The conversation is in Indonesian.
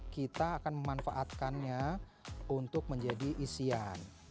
kita akan memanfaatkannya untuk menjadi isian